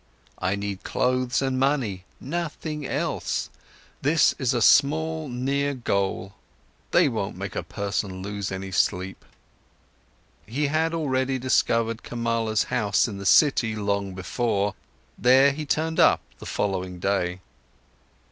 I need clothes and money, nothing else; these are small, near goals, they won't make a person lose any sleep." He had already discovered Kamala's house in the city long before, there he turned up the following day.